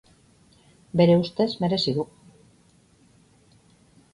Bere ustez, merezi du.